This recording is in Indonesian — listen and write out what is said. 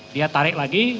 dia tarik lagi